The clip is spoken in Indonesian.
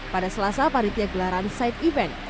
pada selasa panitia gelaran side event